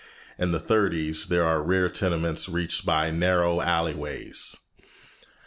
In the Thirties there are rear tenements reached by narrow alley ways.